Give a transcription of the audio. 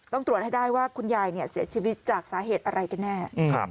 ต้องตรวจให้ได้ว่าคุณยายเสียชีวิตจากสาเหตุอะไรกันแน่